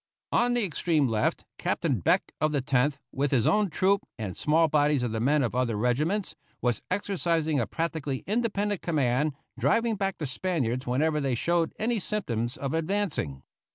On the extreme left Captain Beck, of the Tenth, with his own troop, and small bodies of the men of other regiments, was exercising a practically independent command, driving back the Spaniards whenever they showed any symptoms of advancing.